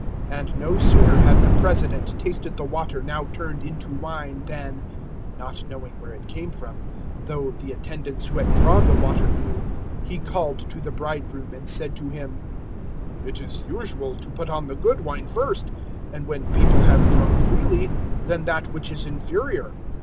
And no sooner had the President tasted the water now turned into wine, than not knowing where it came from, though the attendants who had drawn the water knew he called to the bridegroom 002:010 and said to him, "It is usual to put on the good wine first, and when people have drunk freely, then that which is inferior.